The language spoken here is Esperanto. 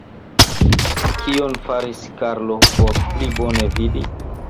Kion faris Karlo por pli bone vidi?